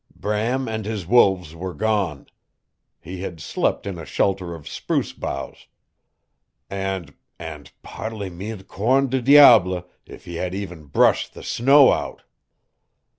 "Bram and his wolves were gone. He had slept in a shelter of spruce boughs. And and par les mille cornes du diable if he had even brushed the snow out!